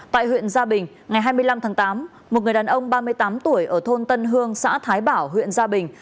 tại huyện gia bình ngày hai mươi năm tháng tám một người đàn ông ba mươi tám tuổi ở thôn tân hương xã thái bảo huyện gia bình